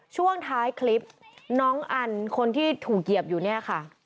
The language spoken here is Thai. ช่วงท้ายคลิปน้องอันคนที่ถูกเหยียบอยู่เนี่ยค่ะ